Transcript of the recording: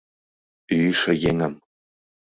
Йӱшӧ еҥым